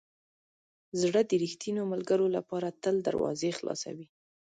زړه د ریښتینو ملګرو لپاره تل دروازې خلاصوي.